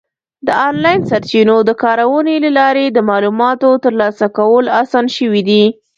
د آنلاین سرچینو د کارونې له لارې د معلوماتو ترلاسه کول اسان شوي دي.